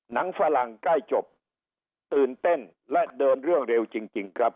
ฝรั่งใกล้จบตื่นเต้นและเดินเรื่องเร็วจริงครับ